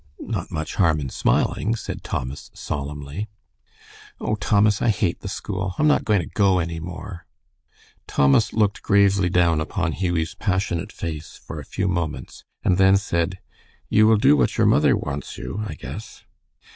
"Not much harm in smiling," said Thomas, solemnly. "Oh, Thomas, I hate the school. I'm not going to go any more." Thomas looked gravely down upon Hughie's passionate face for a few moments, and then said, "You will do what your mother wants you, I guess."